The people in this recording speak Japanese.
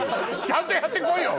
ちゃんとやって来いよ